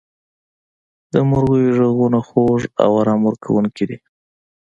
• د مرغیو ږغونه خوږ او آرام ورکوونکي دي.